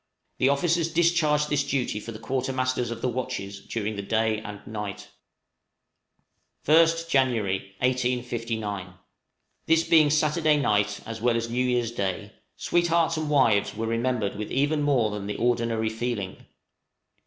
The officers discharged this duty for the quarter masters of the watches during the day and night. {JAN., 1859.} {NEW YEAR'S DAY.} 1st Jan., 1859. This being Saturday night as well as New Year's Day, "Sweethearts and Wives" were remembered with even more than the ordinary feeling.